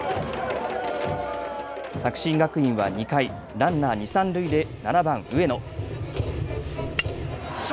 作新学院は２回、ランナー二、三塁でで７番・上野。